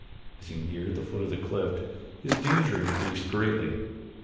As he neared the foot of the cliff his danger increased greatly.